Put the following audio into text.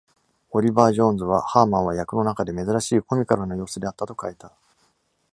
オリバー・ジョーンズは、ハーマンは役の中で「珍しいコミカルな様子」であったと書いた。